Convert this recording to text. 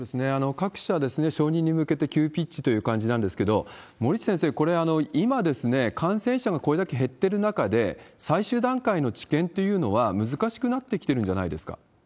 各社、承認に向けて急ピッチという感じなんですけど、森内先生、これ今、感染者がこれだけ減ってる中で、最終段階の治験というのは難しくなってきてるんじゃないですか？